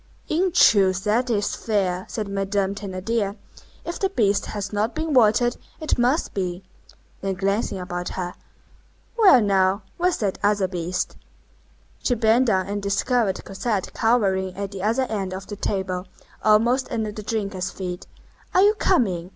"In truth, that is fair!" said Madame Thénardier, "if the beast has not been watered, it must be." Then glancing about her:— "Well, now! Where's that other beast?" She bent down and discovered Cosette cowering at the other end of the table, almost under the drinkers' feet. "Are you coming?"